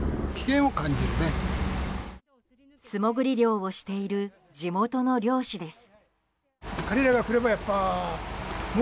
素潜り漁をしている地元の漁師です。